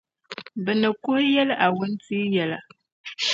bɛ ni kuhi yɛli a wuntia yɛla.